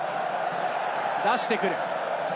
出してくる。